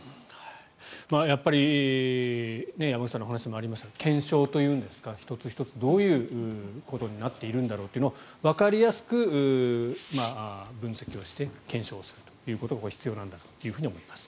やっぱり山口さんのお話にもありました検証というんですか１つ１つ、どういうことになっているんだろうというのをわかりやすく分析をして検証するということが必要なんだと思います。